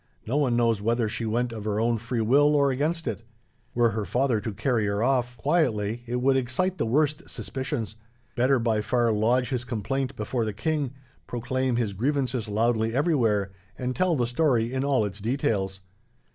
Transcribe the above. No one knows whether she went of her own free will, or against it. Were her father to carry her off, quietly, it would excite the worst suspicions. Better by far lodge his complaint before the king, proclaim his grievances loudly everywhere, and tell the story in all its details.